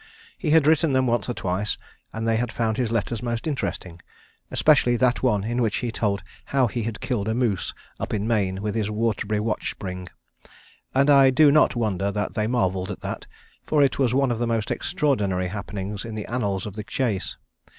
He had written them once or twice, and they had found his letters most interesting, especially that one in which he told how he had killed a moose up in Maine with his Waterbury watch spring, and I do not wonder that they marvelled at that, for it was one of the most extraordinary happenings in the annals of the chase.